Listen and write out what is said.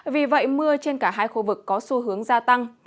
vì vậy mưa trên cả hai khu vực có xu hướng gia tăng